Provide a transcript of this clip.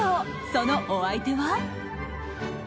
そのお相手は。